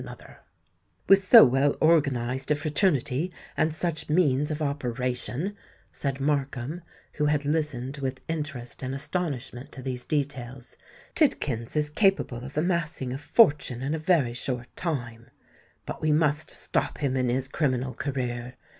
"With so well organised a fraternity and such means of operation," said Markham, who had listened with interest and astonishment to these details, "Tidkins is capable of amassing a fortune in a very short time. But we must stop him in his criminal career.